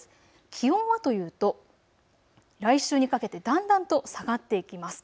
気温はというと来週にかけてだんだんと下がっていきます。